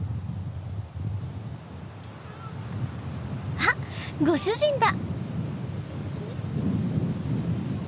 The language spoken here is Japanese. あっご主人だ！